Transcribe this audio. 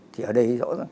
thì ở đây rõ ràng